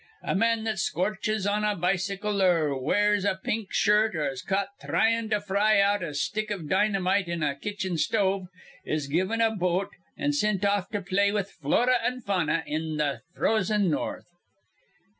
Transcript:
A man that scorches on a bicycle or wears a pink shirt or is caught thryin' to fry out a stick iv dinnymite in a kitchen stove is given a boat an' sint off to play with Flora an' Fauna in th' frozen North."